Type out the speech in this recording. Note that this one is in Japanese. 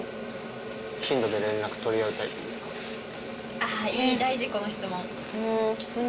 ああいい大事この質問。